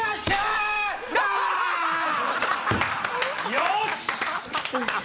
よし！